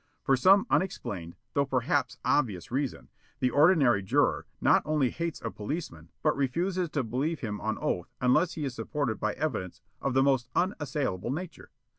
For some unexplained, though perhaps obvious reason, the ordinary juror not only hates a policeman but refuses to believe him on oath unless he is supported by evidence of the most unassailable nature.